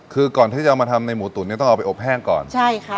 คือก่อนที่จะเอามาทำในหมูตุ๋นเนี่ยต้องเอาไปอบแห้งก่อนใช่ค่ะ